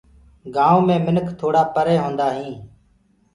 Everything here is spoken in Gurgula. گآئونٚ مي مڪآن توڙآ پري هوندآ هين۔